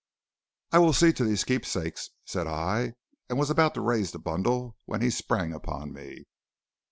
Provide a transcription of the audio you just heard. "'I will see to these keepsakes,' said I, and was about to raise the bundle, when he sprang upon me.